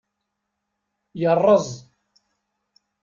Yerreẓ.